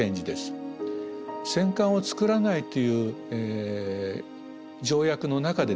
戦艦を造らないという条約の中でですね